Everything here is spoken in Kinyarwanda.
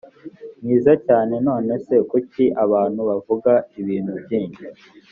mwiza cyane none se kuki abantu bavuga ibintu byinshi